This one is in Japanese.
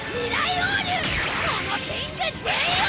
モモキングＪＯ！